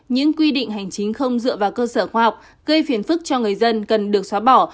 những quy định hành chính không dựa vào cơ sở khoa học gây phiền phức cho người dân cần được xóa bỏ